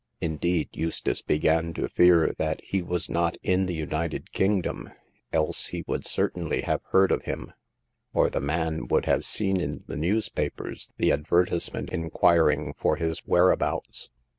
Indeed, Eustace began to fear that he was not in the United Kingdom, else he would certainly have heard of him, or the man would have seen in the newspapers the adver tisement inquiring for his whereabouts.